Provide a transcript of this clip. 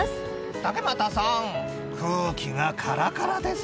竹俣さん、空気がカラカラです。